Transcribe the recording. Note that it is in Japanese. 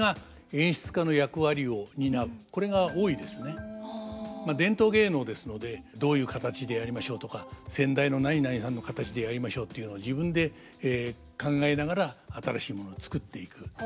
現代演劇と違ってまあ伝統芸能ですのでどういう形でやりましょうとか先代の何々さんの形でやりましょうっていうのは自分で考えながら新しいものを作っていく。